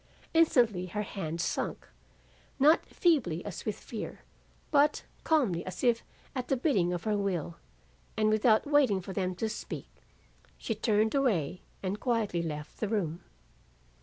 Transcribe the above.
Instantly her hand sunk, not feebly as with fear, but calmly as if at the bidding of her will, and without waiting for them to speak, she turned away and quietly left the room.